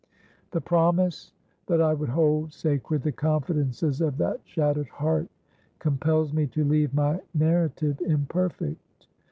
"The promise that I would hold sacred the confidences of that shattered heart compels me to leave my narrative imperfect.